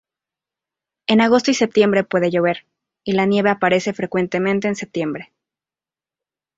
En agosto y septiembre puede llover, y la nieve aparece frecuentemente en septiembre.